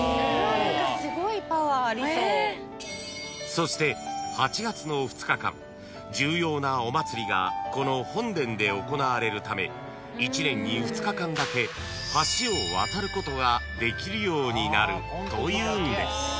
［そして８月の２日間重要なお祭りがこの本殿で行われるため１年に２日間だけ橋を渡ることができるようになるというんです］